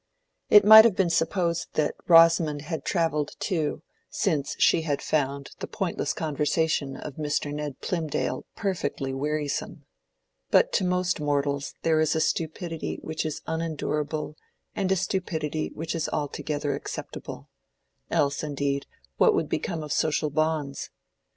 It might have been supposed that Rosamond had travelled too, since she had found the pointless conversation of Mr. Ned Plymdale perfectly wearisome; but to most mortals there is a stupidity which is unendurable and a stupidity which is altogether acceptable—else, indeed, what would become of social bonds?